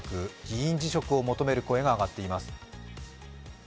議員辞職を求める声が上がっています。